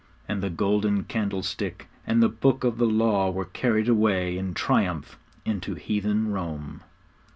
And the golden candlestick and the Book of the Law were carried away in triumph into heathen Rome.